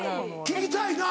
聞きたいな。